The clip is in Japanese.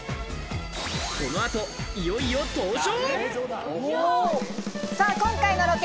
この後、いよいよ登場。